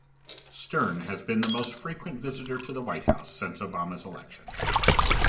Stern has been the most frequent visitor to the White House since Obama's election.